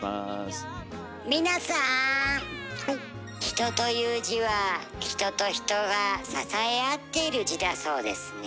「人」という字は人と人が支え合ってる字だそうですね。